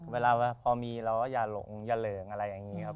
เวลาพอมีเราก็อย่าหลงอย่าเหลิงอะไรอย่างนี้ครับ